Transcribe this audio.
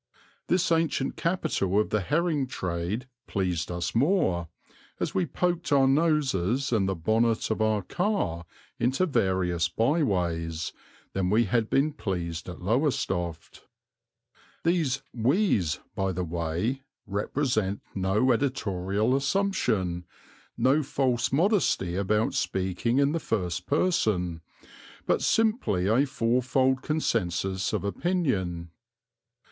This ancient capital of the herring trade pleased us more, as we poked our noses and the bonnet of our car into various byways, than we had been pleased at Lowestoft. (These "we's," by the way, represent no editorial assumption, no false modesty about speaking in the first person, but simply a fourfold consensus of opinion.)